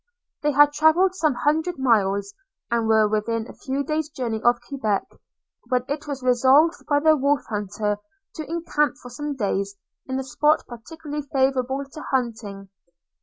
They had travelled some hundred miles, and were within a few days journey of Quebec, when it was resolved by the Wolf hunter to encamp for some days, in a spot particularly favourable to hunting.